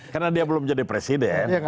karena dia belum jadi presiden